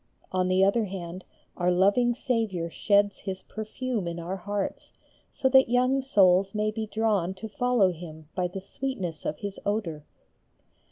On the other hand, our loving Saviour sheds His perfume in our hearts, so that young souls may be drawn to follow Him by the sweetness of His odour.